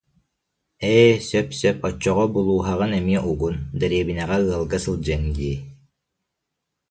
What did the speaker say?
Ээ, сөп, сөп, оччоҕо булууһаҕын эмиэ угун, дэриэбинэҕэ ыалга сылдьыаҥ дии